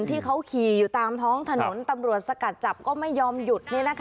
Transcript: ที่เขาขี่อยู่ตามท้องถนนตำรวจสกัดจับก็ไม่ยอมหยุด